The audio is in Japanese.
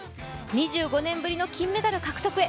２５年ぶりの金メダル獲得へ。